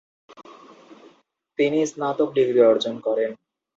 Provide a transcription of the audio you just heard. তিনি স্নাতক ডিগ্রি অর্জন করেন।